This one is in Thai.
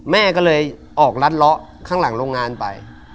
แม่ก็เลยออกรัดเลาะข้างหลังโรงงานไป